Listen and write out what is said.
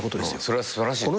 それは素晴らしい。